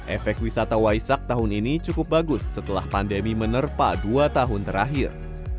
efek wisata waisak tahun ini cukup bagus setelah pandemi menerpa dua tahun terakhir